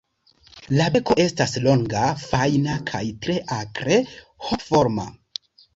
La beko estas longa, fajna, kaj tre akre hokoforma.